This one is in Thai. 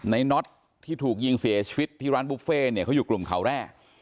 น็อตที่ถูกยิงเสียชีวิตที่ร้านบุฟเฟ่เนี่ยเขาอยู่กลุ่มเขาแร่